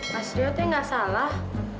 mas ryo tuh gak salah